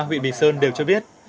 huyện bình sơn đều cho biết